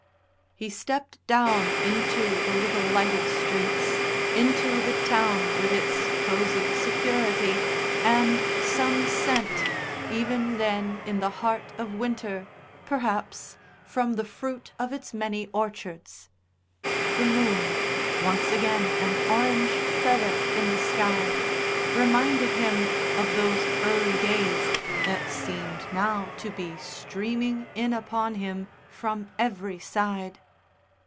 He stepped down into the little lighted streets, into the town with its cosy security and some scent, even then in the heart of winter, perhaps, from the fruit of its many orchards. The moon, once again an orange feather in the sky, reminded him of those early days that seemed now to be streaming in upon him from every side.